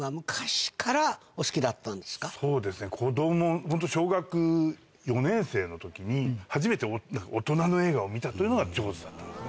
そうですね子供ホント小学４年生の時に初めて大人の映画を見たというのが『ジョーズ』だったんです。